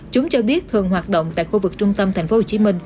chúng cho biết thường hoạt động tại khu vực trung tâm tp hcm